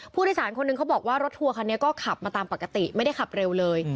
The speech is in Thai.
ผู้โดยสารคนหนึ่งเขาบอกว่ารถทัวร์คันนี้ก็ขับมาตามปกติไม่ได้ขับเร็วเลย